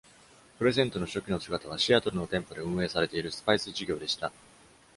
クレセントの初期の姿は、シアトルの店舗で運営されているスパイス事業でした。